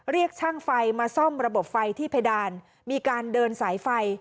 เรียกช่างไฟมาซ่อมระบบไฟที่เพดานมีการเดินสายไฟ